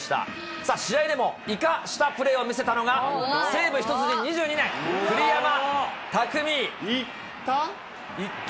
さあ、試合でもいかしたプレーを見せたのが、西武一筋２２年、栗山巧。いった？